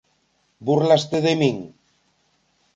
Búrlaste de min?